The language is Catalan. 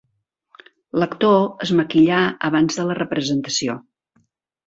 L'actor es maquillà abans de la representació.